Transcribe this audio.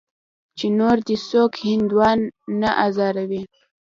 چې نور دې څوک هندوان نه ازاروي.